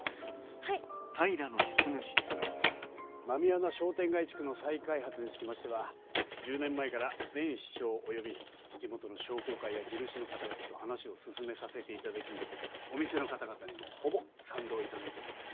狸穴商店街地区の再開発につきましては１０年前から前市長及び地元の商工会や地主の方々と話を進めさせていただきお店の方々にもほぼ賛同いただいております。